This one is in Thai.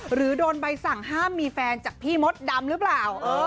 หรือโดนใบสั่งห้ามมีแฟนจากพี่มดดำหรือเปล่า